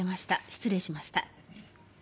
失礼しました。